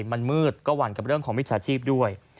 มันมืดก็หวั่นกับเรื่องของมิจฉาชีพด้วย